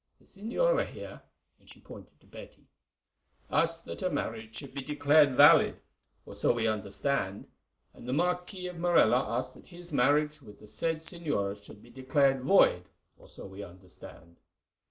The señora here," and she pointed to Betty, "asks that her marriage should be declared valid, or so we understand, and the Marquis of Morella asks that his marriage with the said señora should be declared void, or so we understand.